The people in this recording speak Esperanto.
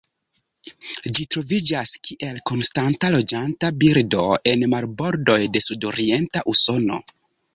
Ĝi troviĝas kiel konstanta loĝanta birdo en marbordoj de sudorienta Usono.